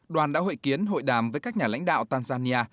đoàn đã hội kiến hội đàm với các nhà lãnh đạo tanzania